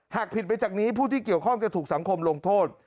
หากผิดไปจากนี้ผู้ที่เกี่ยวข้องจะถูกสังคมลงโทษ